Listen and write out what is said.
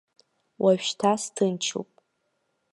Уажәшьҭа сҭынчуп.